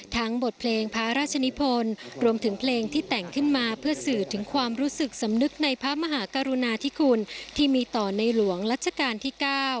บทเพลงพระราชนิพลรวมถึงเพลงที่แต่งขึ้นมาเพื่อสื่อถึงความรู้สึกสำนึกในพระมหากรุณาธิคุณที่มีต่อในหลวงรัชกาลที่๙